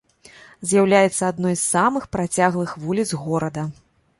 З'яўляецца адной з самых працяглых вуліц горада.